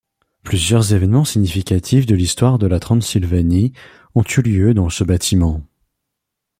Plusieurs événements significatifs de l'histoire de la Transylvanie ont eu lieu dans ce bâtiment.